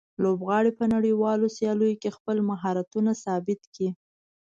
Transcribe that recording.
لوبغاړي په نړیوالو سیالیو کې خپل مهارتونه ثابت کړي.